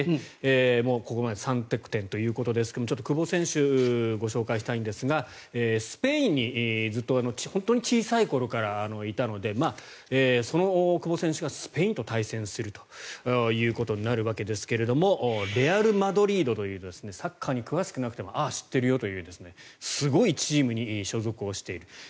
ここまで３得点ということですがちょっと久保選手をご紹介したいんですがスペインに本当に小さい頃からいたのでその久保選手がスペインと対戦するということになるわけですけどレアル・マドリードというサッカーに詳しくなくてもああ、知ってるよというすごいチームに所属をしている。